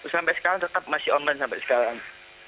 sampai sekarang tetap masih online sampai sekarang